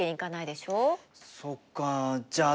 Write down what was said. そっかじゃあ